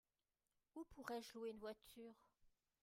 Où pourrais-je louer une voiture ?